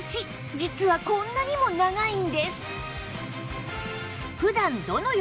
実はこんなにも長いんです